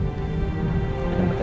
yang dateng kesini